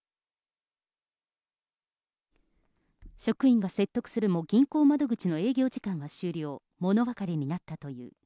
職員が説得するも、銀行窓口の営業時間は終了、もの別れになったという。